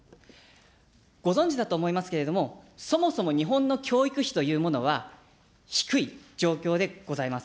ご存じだと思いますけれども、そもそも日本の教育費というものは低い状況でございます。